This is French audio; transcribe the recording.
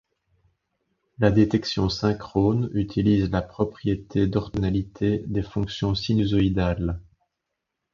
La détection synchrone utilise la propriété d'orthogonalité des fonctions sinusoïdales.